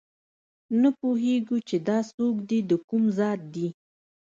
نه پوهېږو چې دا څوک دي دکوم ذات دي